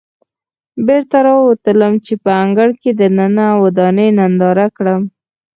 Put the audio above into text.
بېرته راووتلم چې په انګړ کې دننه ودانۍ ننداره کړم.